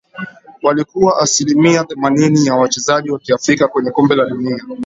walikuwa asilimia themanini ya wachezaji Wa kiafrika kwenye kombe la dunia